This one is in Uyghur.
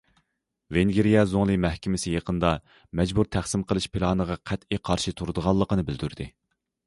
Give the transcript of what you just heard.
ۋېنگىرىيە زۇڭلى مەھكىمىسى يېقىندا، مەجبۇر تەقسىم قىلىش پىلانىغا قەتئىي قارشى تۇرىدىغانلىقىنى بىلدۈردى.